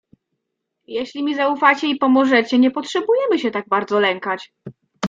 "Jeśli mi zaufacie i pomożecie, nie potrzebujemy się tak bardzo lękać."